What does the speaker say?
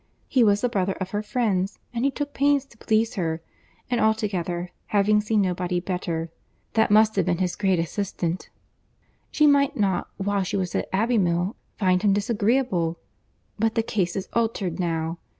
He was the brother of her friends, and he took pains to please her; and altogether, having seen nobody better (that must have been his great assistant) she might not, while she was at Abbey Mill, find him disagreeable. But the case is altered now.